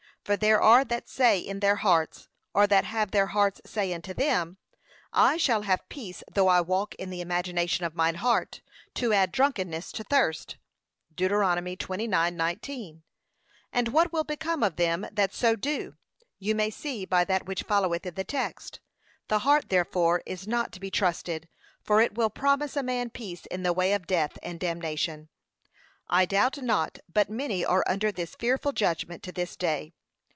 For there are that say in their hearts, or that have their hearts say unto them, 'I shall have peace though I walk in the imagination of mine heart, to add drunkenness to thirst.' (Deut. 29:19) And what will become of them that so do, you may see by that which followeth in the text. The heart therefore is not to be trusted, for it will promise a man peace in the way of death and damnation. I doubt not but many are under this fearful judgment to this day.